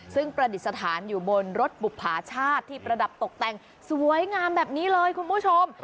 ซึ่งประดิษฐานอยู่บนรถบุภาชาติที่ประดับตกแต่งสวยงามแบบนี้เลยคุณผู้ชม